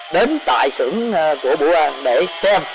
đến tại xưởng của bùa để xem